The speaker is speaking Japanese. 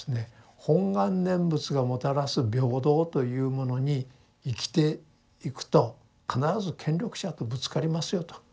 「本願念仏がもたらす平等というものに生きていくと必ず権力者とぶつかりますよ」と。